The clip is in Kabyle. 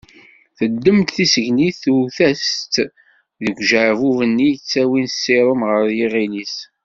Teddem-d tisegnit tewwet-as-tt deg ujeɛbub-nni i yettawin ssirum ɣer yiɣil-is.